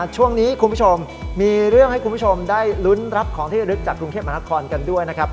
ช่วงนี้คุณผู้ชมมีเรื่องให้คุณผู้ชมได้ลุ้นรับของที่ระลึกจากกรุงเทพมหานครกันด้วยนะครับ